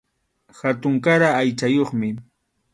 Hatunkaray aychayuqmi.